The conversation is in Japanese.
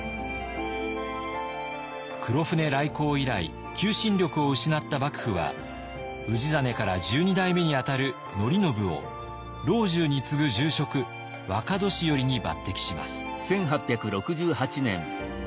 黒船来航以来求心力を失った幕府は氏真から十二代目に当たる範叙を老中に継ぐ重職若年寄に抜てきします。